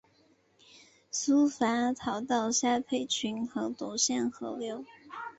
苏茂逃到下邳郡和董宪合流。